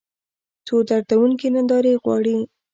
څو دردونکې نندارې غواړي